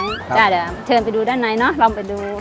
เดี๋ยวเชิญไปดูด้านในลองไปดู